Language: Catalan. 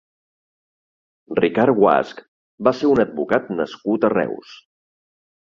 Ricard Guasch va ser un advocat nascut a Reus.